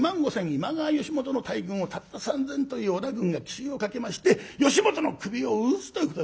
今川義元の大軍をたった３，０００という織田軍が奇襲をかけまして義元の首を討つということになります。